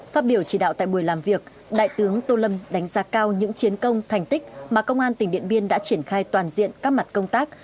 phát biểu chỉ đạo tại buổi làm việc đại tướng tô lâm đánh giá cao những chiến công thành tích mà công an tỉnh điện biên đã triển khai toàn diện các mặt công tác